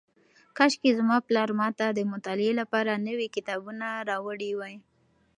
کاشکې زما پلار ماته د مطالعې لپاره نوي کتابونه راوړي وای.